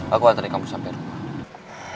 aku antri kamu sampai rumah